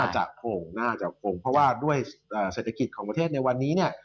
จะคงน่าจะคงเพราะว่าด้วยเศรษฐกิจของประเทศในวันนี้เนี่ย